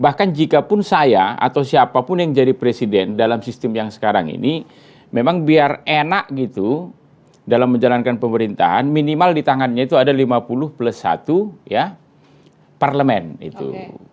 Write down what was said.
bahkan jikapun saya atau siapapun yang jadi presiden dalam sistem yang sekarang ini memang biar enak gitu dalam menjalankan pemerintahan minimal di tangannya itu ada lima puluh plus satu ya parlemen itu